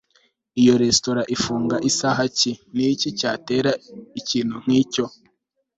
iyo resitora ifunga isaha ki?ni iki cyatera ikintu nk'icyo